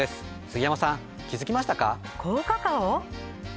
杉山さん気づきましたか？